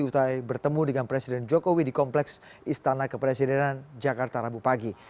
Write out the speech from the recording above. usai bertemu dengan presiden jokowi di kompleks istana kepresidenan jakarta rabu pagi